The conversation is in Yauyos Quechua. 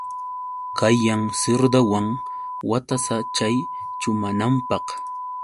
Kayan sirdawan watasa chay chumananpaq.